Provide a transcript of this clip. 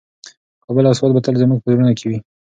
کابل او سوات به تل زموږ په زړونو کې وي.